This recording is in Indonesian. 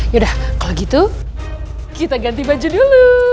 yaudah kalau gitu kita ganti baju dulu